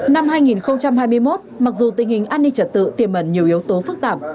năm hai nghìn hai mươi một mặc dù tình hình an ninh trật tự tiềm ẩn nhiều yếu tố phức tạp